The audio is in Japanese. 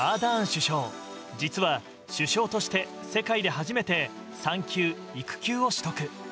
首相実は首相として世界で初めて産休・育休を取得。